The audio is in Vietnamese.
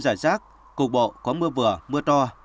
giải rác cục bộ có mưa vừa mưa to